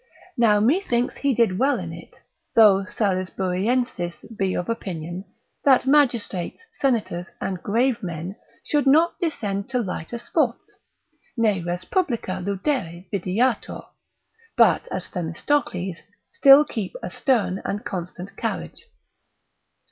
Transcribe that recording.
Now methinks he did well in it, though Salisburiensis be of opinion, that magistrates, senators, and grave men, should not descend to lighter sports, ne respublica ludere videatur: but as Themistocles, still keep a stern and constant carriage.